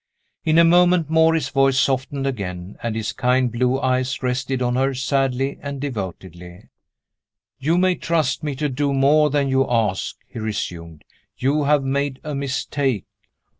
In a moment more, his voice softened again, and his kind blue eyes rested on her sadly and devotedly. "You may trust me to do more than you ask," he resumed. "You have made a mistake."